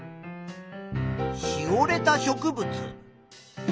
しおれた植物。